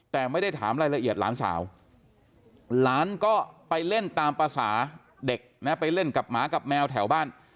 แต่ไม่ได้ถามรายละเอียดหลานสาวหลานก็ไปเล่นตามภาษาเด็กนะไปเล่นกับหมากับแมวแถวบ้าน